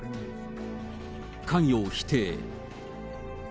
関与を否定。